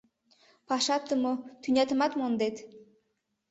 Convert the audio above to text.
Пашатым мо, тӱнятымат мондет...